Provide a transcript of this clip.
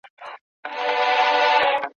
له اغيار سره يې كړي پيوندونه